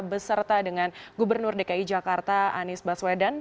beserta dengan gubernur dki jakarta anies baswedan